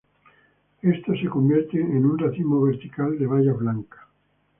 Estos se convierten en un racimo vertical de bayas blancas.